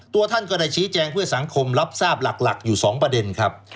ตัวท่านก็ได้ชี้แจงเพื่อสังคมรับทราบหลักอยู่๒ประเด็นครับ